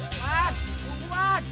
buat buat buat